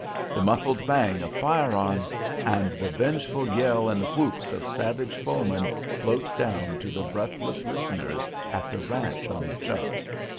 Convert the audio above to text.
the muffled bang of fire arms, and the vengeful yell and whoops of savage foeman float down to the breathless listeners at the station on the Chug.